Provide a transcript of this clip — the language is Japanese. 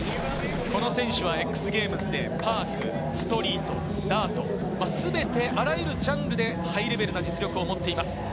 この選手はＸＧａｍｅｓでパーク、ストリート、ダート、全てあらゆるジャンルでハイレベルな実力を持っています。